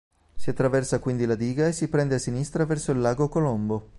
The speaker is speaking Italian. Si attraversa quindi la diga e si prende a sinistra verso il Lago Colombo.